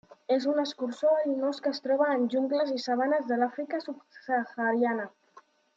És un escurçó verinós que es troba en jungles i sabanes de l'Àfrica subsahariana.